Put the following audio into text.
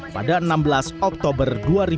pada enam belas oktober dua ribu dua puluh